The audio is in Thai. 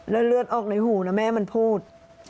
แล้วเลือดออกในหูนะแม่มันพูด